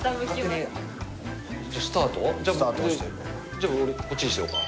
じゃ俺こっちにしようか。